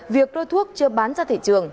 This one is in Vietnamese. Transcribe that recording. việc lô thuốc chưa bán ra thị trường